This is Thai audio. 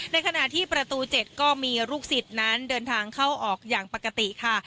ในขณะที่ประตู๗ก็มีลูกศิษย์นั้นเดินทางเข้าออกอย่างปกติค่ะ